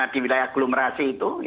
di wilayah aglomerasi itu